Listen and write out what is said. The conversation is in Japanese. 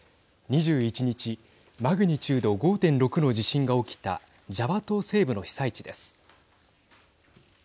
２１日、マグニチュード５．６の地震が起きたジャワ島西部の被災地です。